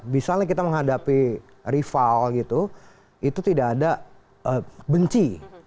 misalnya kita menghadapi rival gitu itu tidak ada benci